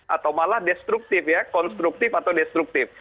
atau malah destruktif ya konstruktif atau destruktif